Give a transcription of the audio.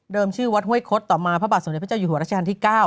ชื่อวัดห้วยคดต่อมาพระบาทสมเด็จพระเจ้าอยู่หัวรัชกาลที่๙